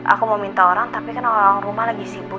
aku mau minta orang tapi kan orang rumah lagi sibuk